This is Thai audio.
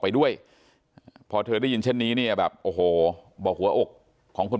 ไปด้วยพอเธอได้ยินเช่นนี้เนี่ยแบบโอ้โหบอกหัวอกของคน